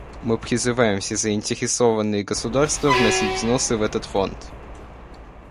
Мы призываем все заинтересованные государства вносить взносы в этот Фонд.